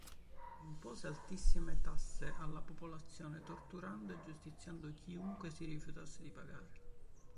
Impose altissime tasse alla popolazione, torturando e giustiziando chiunque si rifiutasse di pagare.